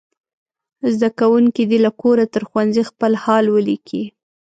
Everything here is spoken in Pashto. زده کوونکي دې له کوره تر ښوونځي خپل حال ولیکي.